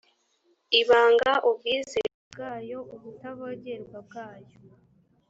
ibanga ubwizerwe bwayo ubutavogerwa bwayo